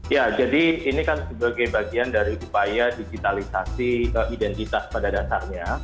ya jadi ini kan sebagai bagian dari upaya digitalisasi identitas pada dasarnya